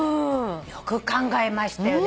よく考えましたよね。